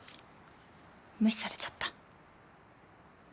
無視されちゃった。